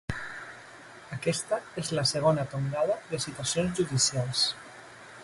Aquesta és la segona tongada de citacions judicials.